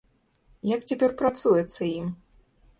Як цяпер працуецца ім?